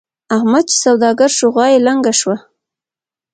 احمد چې سوداګر شو؛ غوا يې لنګه شوه.